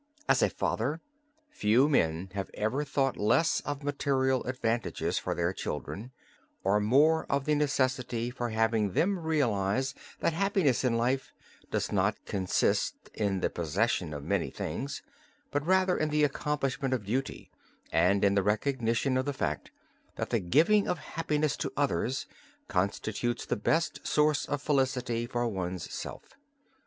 As a father, few men have ever thought less of material advantages for their children, or more of the necessity for having them realize that happiness in life does not consist in the possession of many things, but rather in the accomplishment of duty and in the recognition of the fact that the giving of happiness to others constitutes the best source of felicity for one's self.